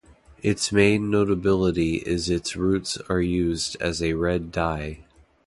Its main notability is its roots are used as a red dye.